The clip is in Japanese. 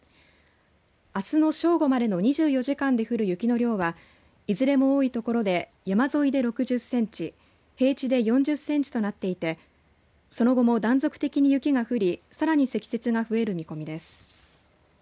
あすの正午までの２４時間で降る雪の量は、いずれも多い所で、山沿いで６０センチ平地で４０センチなどとなっていてその後も断続的に雪が降りさらに積雪が増える見込みです。